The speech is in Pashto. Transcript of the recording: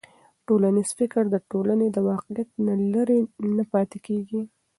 ټولنیز فکر د ټولنې له واقعیت نه لرې نه پاتې کېږي.